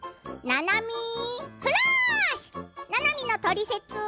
ななみのトリセツ。